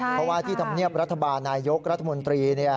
เพราะว่าที่ธรรมเนียบรัฐบาลนายยกรัฐมนตรี